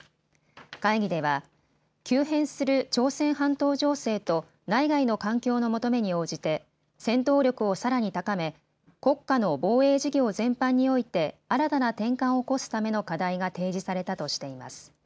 会議では急変する朝鮮半島情勢と内外の環境の求めに応じて戦闘力をさらに高め国家の防衛事業全般において新たな転換を起こすための課題が提示されたとしています。